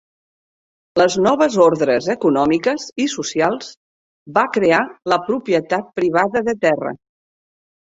Les noves ordres econòmiques i socials va crear la propietat privada de terra.